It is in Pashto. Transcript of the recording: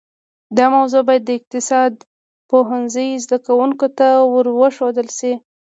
دا موضوع باید د اقتصاد پوهنځي زده کونکو ته ورښودل شي